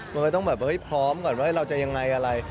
มันก็ต้องแบบพร้อมก่อนว่าเราจะยังไงอะไร